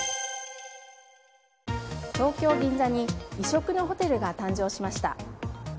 東京・銀座に異色のホテルが誕生しました。